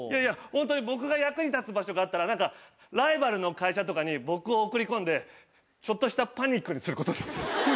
ホントに僕が役に立つ場所があったらライバルの会社とかに僕を送り込んでちょっとしたパニックにすることです。